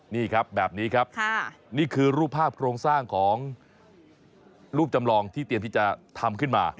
นี่ครับแบบนี้ครับนี่คือรูปภาพโครงสร้างของรูปจำลองที่เตรียมที่จะทำขึ้นมา